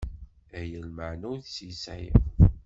Aya lmeεna ur tt-yesεi.